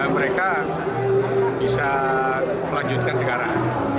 mereka bisa melanjutkan sekarang